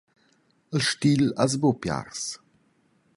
Il stil has buca piars.